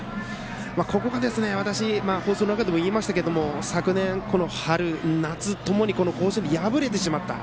そういうところが私放送の中でも言いましたけど昨年、春夏ともに甲子園で敗れてしまった。